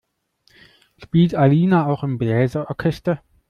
Spielt Alina auch im Bläser-Orchester?